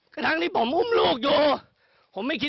กระทั่งที่ผมอุ้มลูกอยู่